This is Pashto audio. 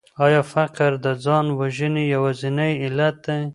آيا فقر د ځان وژنې يوازينی علت دی؟